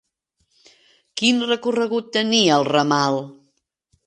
Quin recorregut tenia el ramal?